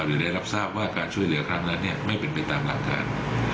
หรือได้รับทราบว่าการช่วยเหลือครั้งนั้นไม่เป็นไปตามหลักฐาน